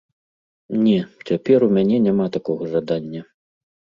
Не, цяпер у мяне няма такога жадання.